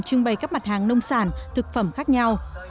trưng bày các mặt hàng nông sản thực phẩm khác nhau